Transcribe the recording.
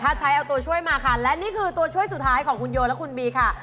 ถ้าใช้เอาตัวช่วยมาค่ะและนี่คือตัวช่วยสุดท้ายของคุณโยและคุณบีค่ะ